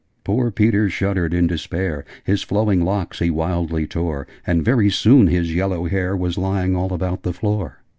Poor Peter shuddered in despair: His flowing locks he wildly tore: And very soon his yellow hair Was lying all about the floor.